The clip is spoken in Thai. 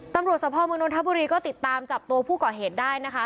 ตำรวจสภาพเมืองนทบุรีก็ติดตามจับตัวผู้ก่อเหตุได้นะคะ